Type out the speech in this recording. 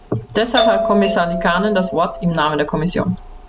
Deshalb hat Kommissar Liikanen das Wort im Namen der Kommission.